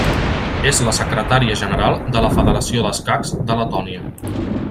És la Secretària General de la Federació d'Escacs de Letònia.